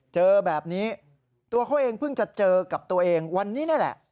เจอแบบนี้ตัวเขาเองเพิ่งจะเจอกับตัวเองวันนี้นี่แหละ